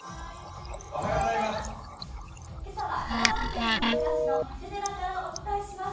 今朝は神奈川県鎌倉市の長谷寺からお伝えします。